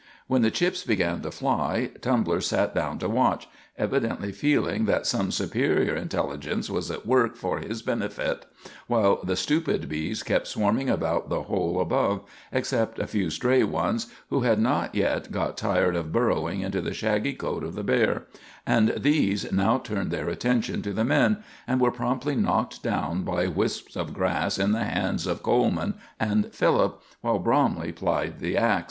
When the chips began to fly, Tumbler sat down to watch, evidently feeling that some superior intelligence was at work for his benefit, while the stupid bees kept swarming about the hole above, except a few stray ones who had not yet got tired of burrowing into the shaggy coat of the bear, and these now turned their attention to the men and were promptly knocked down by wisps of grass in the hands of Coleman and Philip, while Bromley plied the ax.